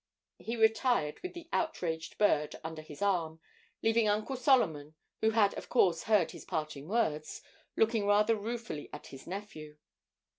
He retired with the outraged bird under his arm, leaving Uncle Solomon, who had of course heard his parting words, looking rather ruefully at his nephew.